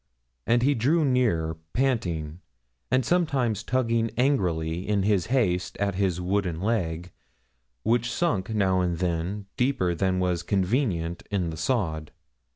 And he drew near panting, and sometimes tugging angrily in his haste at his wooden leg, which sunk now and then deeper than was convenient in the sod.